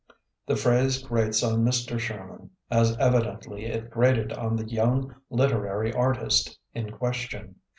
The phrase grates on Mr. Sherman, as evidently it grated on the young "literary artist" in question.